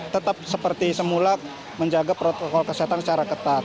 tetap seperti semula menjaga protokol kesehatan secara ketat